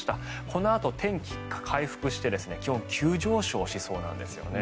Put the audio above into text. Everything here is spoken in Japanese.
このあと天気回復して今日、急上昇しそうなんですよね